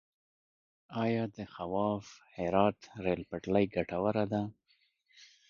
آیا د خواف - هرات ریل پټلۍ ګټوره ده؟